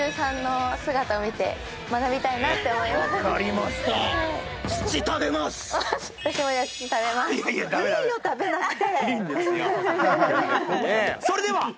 いいよ、食べなくて。